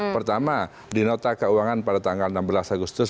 pertama di nota keuangan pada tanggal enam belas agustus